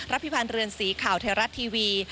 พิพันธ์เรือนสีข่าวไทยรัฐทีวี